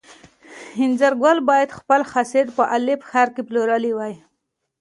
انځرګل باید خپل حاصل په الف ښار کې پلورلی وای.